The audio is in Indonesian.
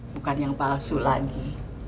bukan yang palsu lagi